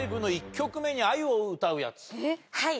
はい！